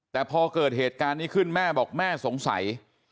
แต่พอเกิดเหตุการณ์นี้ขึ้นแม่บอกแม่สงสัย